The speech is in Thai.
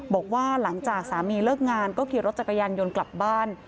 บอกว่าหลังจากสามีเลิกงานก็ขี่รถจักรยานยนต์กลับบ้าน